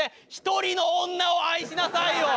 １人の女を愛しなさいよ！